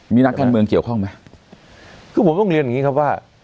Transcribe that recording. มีนักการเมืองเกี่ยวข้องไหมคือผมต้องเรียนอย่างงี้ครับว่า